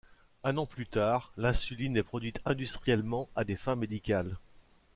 Un an plus tard l'insuline est produite industriellement à des fins médicales.